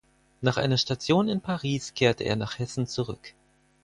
Nach einer Station in Paris kehrte er nach Hessen zurück.